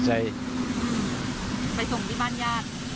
ไปส่งที่บ้านญาติ